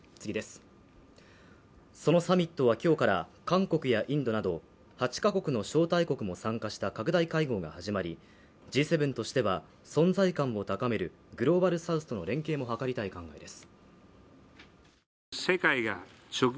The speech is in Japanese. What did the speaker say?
そのサミットは今日から韓国やインドなど８か国の招待国も参加した拡大会合が始まり、Ｇ７としては存在感を高めるグローバルサウスとの連携も図りたい考えです。